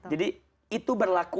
jadi itu berlaku